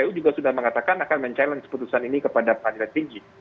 kpu bisa mengatakan akan mencabar seputusan ini kepada pak jelat rigi